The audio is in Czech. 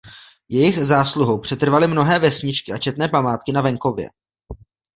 Jejich zásluhou přetrvaly mnohé vesničky a četné památky na venkově.